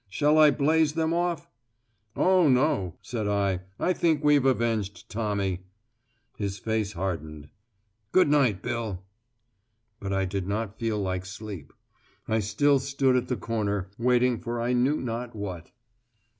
Shall I blaze them off?" "Oh, no!" said I; "I think we've avenged Tommy." His face hardened. "Good night, Bill!" But I did not feel like sleep. I still stood at the corner, waiting for I knew not what.